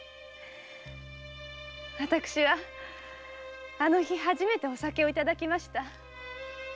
私はあの日初めてお酒をいただきました。